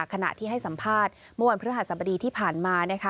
ขณะที่ให้สัมภาษณ์เมื่อวันพฤหัสบดีที่ผ่านมานะคะ